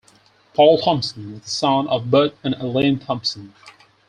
Paul Thomson is the son of Bert and Ellen Thomson.